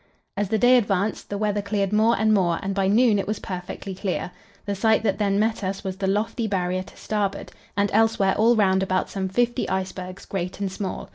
As the day advanced, the weather cleared more and more, and by noon it was perfectly clear. The sight that then met us was the lofty Barrier to starboard, and elsewhere all round about some fifty icebergs, great and small.